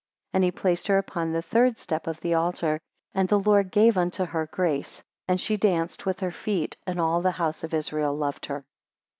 5 And he placed her upon the third step of the altar, and the Lord gave unto her grace, and she dance with her feet, and all the house of Israel loved her.